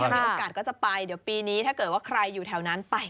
มีโอกาสก็จะไปเดี๋ยวปีนี้ถ้าเกิดว่าใครอยู่แถวนั้นไป